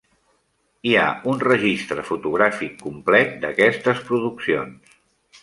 Hi ha un registre fotogràfic complet d'aquestes produccions.